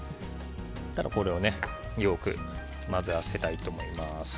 これをよく混ぜ合わせたいと思います。